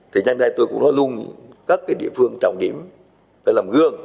thì nhanh ra tôi cũng nói luôn các địa phương trọng điểm phải làm gương